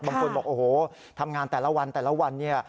บางคนบอกโอ้โหทำงานแต่ละวันแต่ละวันเนี่ย